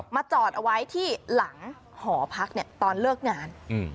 มาจอดเอาไว้ที่หลังหอพักตอนเลิกงาน